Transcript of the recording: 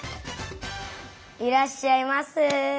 いらっしゃいませ！